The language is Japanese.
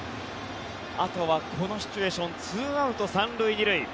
あとはこのシチュエーション２アウト３塁２塁。